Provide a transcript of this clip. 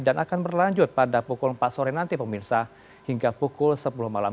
dan akan berlanjut pada pukul empat sore nanti pemirsa hingga pukul sepuluh malam